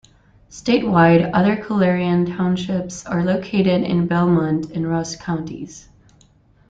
Statewide, other Colerain Townships are located in Belmont and Ross counties.